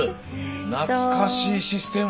懐かしいシステム。